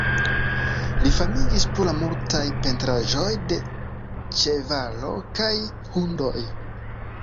Li famiĝis pro la multaj pentraĵoj de ĉevaloj kaj hundoj.